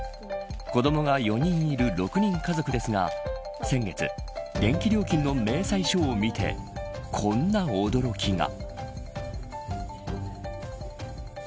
子どもが４人いる６人家族ですが先月、電気料金の明細書を見てこんな驚きが。